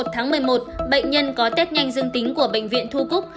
tháng một mươi một bệnh nhân có tết nhanh dương tính của bệnh viện thu cúc